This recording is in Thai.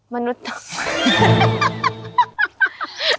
มนุษย์ต่างดุ๊ด